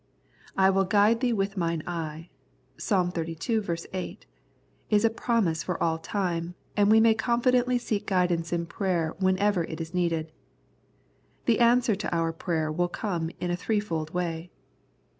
" I will guide thee with Mine eye " (Ps. xxxii. 8) is a promise for all time, and we may confidently seek guidance in prayer whenever it is needed. The answer to our prayer will come in a threefold way.